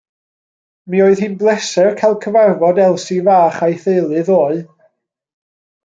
Mi oedd hi'n bleser cael cyfarfod Elsi fach a'i theulu ddoe.